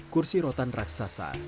kursi rotan raksaten